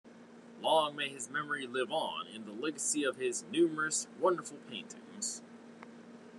Long may his memory live on in the legacy of his numerous, wonderful paintings.